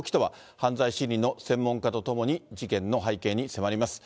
犯罪心理の専門家と共に事件の背景に迫ります。